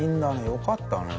よかったね。